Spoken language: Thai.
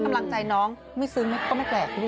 ก็ฝังใจน้องไม่ซึ้งก็ไม่แปลก